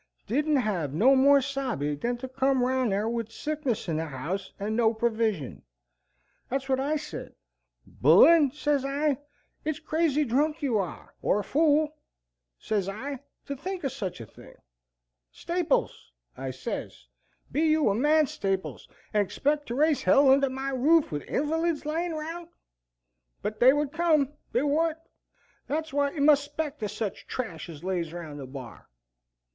Didn't hev no more sabe than to come round yar with sickness in the house and no provision. Thet's what I said: 'Bullen,' sez I, 'it's crazy drunk you are, or a fool,' sez I, 'to think o' such a thing.' 'Staples,' I sez, 'be you a man, Staples, and 'spect to raise h ll under my roof and invalids lyin' round?' But they would come, they would. Thet's wot you must 'spect o' such trash as lays round the Bar."